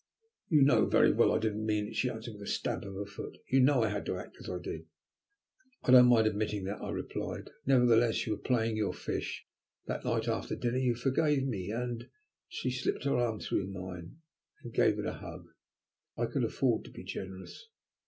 "You know very well that I didn't mean it," she answered, with a stamp of her foot. "You know I had to act as I did." "I don't mind admitting that," I replied. "Nevertheless, you were playing your fish. That night after dinner you forgave me and " She slipped her arm through mine and gave it a hug. I could afford to be generous.